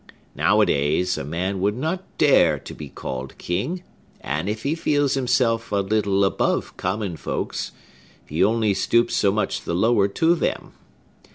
Nowadays, a man would not dare to be called King; and if he feels himself a little above common folks, he only stoops so much the lower to them.